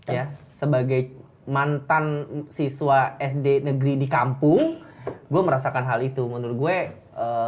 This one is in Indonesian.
ya sebagai mantan siswa sd negeri di kampung gue merasakan hal itu menurut gue